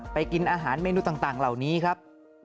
กินอาหารเมนูต่างเหล่านี้ครับ